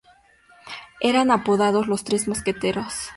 Eran apodados "Los Tres Mosqueteros".